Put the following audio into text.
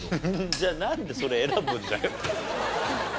じゃあなんでそれ選ぶんだよ。